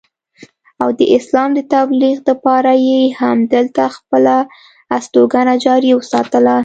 او د اسلام د تبليغ دپاره ئې هم دلته خپله استوګنه جاري اوساتله